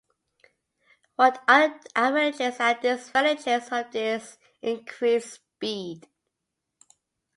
What are the advantages and disadvantages of this increased speed?